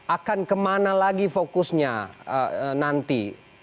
akan kemana lagi fokusnya nanti